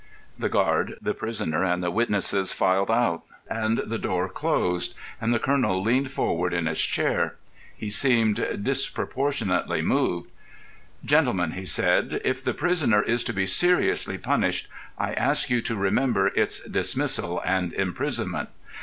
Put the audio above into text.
The guard, the prisoner, and the witnesses filed out and the door closed, and the colonel leaned forward in his chair. He seemed disproportionately moved. "Gentlemen," he said, "if the prisoner is to be seriously punished, I ask you to remember it's dismissal and imprisonment.